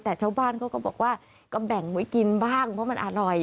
แต่ชาวบ้านเขาก็บอกว่าก็แบ่งไว้กินบ้างเพราะมันอร่อย